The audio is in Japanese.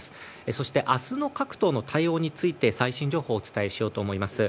そして明日の各党の対応について最新情報をお伝えしようと思います。